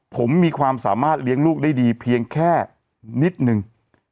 ผมมีความสามารถเลี้ยงลูกได้ดีเพียงแค่นิดนึง